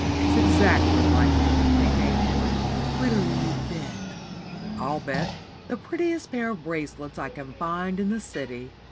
"It's exactly like it," maintained Henry. "What'll you bet?" "I'll bet the prettiest pair of bracelets I can find in the city."